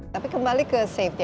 tapi kembali ke safety